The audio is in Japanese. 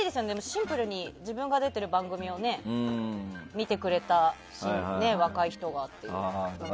シンプルに自分が出ている番組を見てくれたし若い人がっていう。